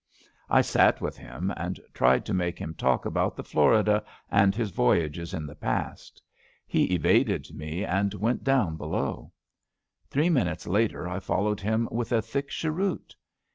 I sat with him and tried to make him talk about iheFlorida and his voyages in the past. He evaded me and went down below. 78 ABAFT THE FUNNEL Three minutes later I followed him with a thick cheroot.